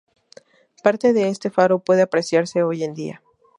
Parte de este faro puede apreciarse hoy en día.